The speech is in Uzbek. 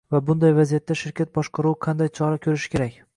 Va bunday vaziyatda shirkat boshqaruvi qanday chora ko‘rishi kerak?